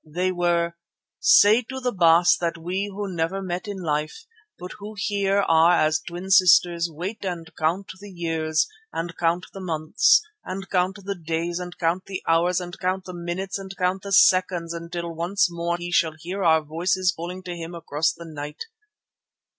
They were: 'Say to the Baas that we who never met in life, but who here are as twin sisters, wait and count the years and count the months and count the days and count the hours and count the minutes and count the seconds until once more he shall hear our voices calling to him across the night.